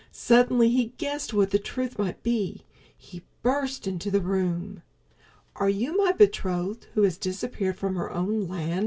Suddenly he guessed what the truth might be. He burst into the room. "Are you my betrothed who has disappeared from her own land?"